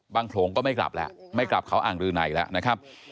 โขลงก็ไม่กลับแล้วไม่กลับเขาอ่างรือในแล้วนะครับ